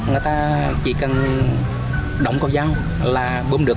người ta chỉ cần đóng câu giao là bơm được